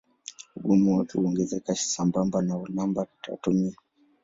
Ugumu wake huongezeka sambamba na namba atomia.